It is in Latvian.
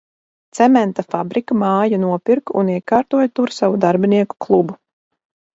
Cementa fabrika māju nopirka un iekārtoja tur savu darbinieku klubu.